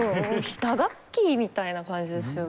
打楽器みたいな感じですよね。